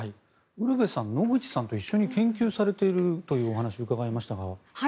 ウルヴェさん野口さんと一緒に研究されているというお話を伺いましたが。